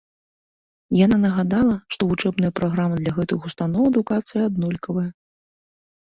Яна нагадала, што вучэбная праграма для гэтых устаноў адукацыі аднолькавая.